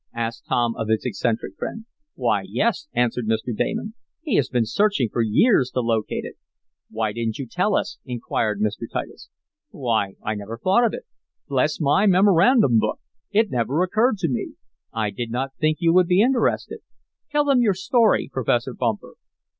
asked Tom, of his eccentric friend. "Why yes," answered Mr. Damon. "He has been searching for years to locate it." "Why didn't you tell us?" inquired Mr. Titus. "Why, I never thought of it. Bless my memorandum book! it never occurred to me. I did not think you would be interested. Tell them your story, Professor Bumper."